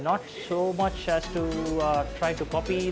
dan kita harus memperhatikan karya karya indonesia